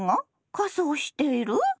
仮装している？